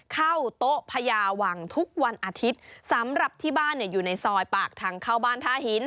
เข้าโต๊ะพญาวังทุกวันอาทิตย์สำหรับที่บ้านเนี่ยอยู่ในซอยปากทางเข้าบ้านท่าหิน